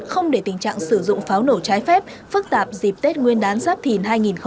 không để tình trạng sử dụng pháo nổ trái phép phức tạp dịp tết nguyên đán giáp thìn hai nghìn hai mươi bốn